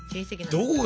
どこが？